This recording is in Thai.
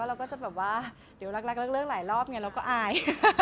เราก็จะแบบว่าเดี๋ยวรักเลิกหลายรอบไงเราก็อาย